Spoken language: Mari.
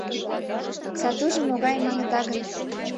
Сатужо могай, маныда гын, -